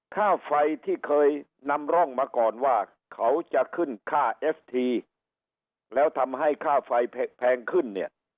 ค่าไฟที่เคยนำร่องมาก่อนว่าเขาจะขึ้นค่าเอฟทีแล้วทำให้ค่าไฟแพงขึ้นเนี่ย